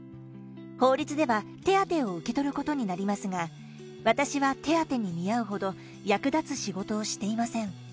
法律では手当を受け取ることになりますが、私は手当に見合うほど役立つ仕事をしていません。